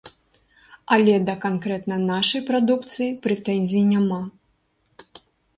Але да канкрэтна нашай прадукцыі прэтэнзій няма.